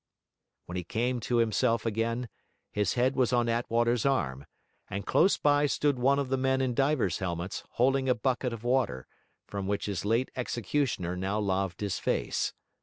When he came to himself again, his head was on Attwater's arm, and close by stood one of the men in divers' helmets, holding a bucket of water, from which his late executioner now laved his face.